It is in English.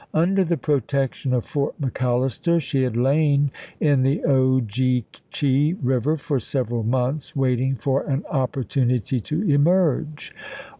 Under the protection of Fort McAllister, she had lain in the Ogeechee River for several months waiting for an opportunity to emerge.